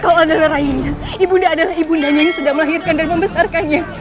kau adalah rayunya ibunda adalah ibundanya sudah melahirkan dan membesarkannya